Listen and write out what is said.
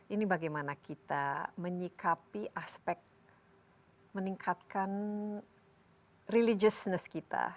ini bagaimana kita menyikapi aspek meningkatkan religiousness kita